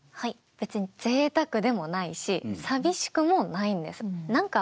別にぜいたくでもないし寂しくもないんです。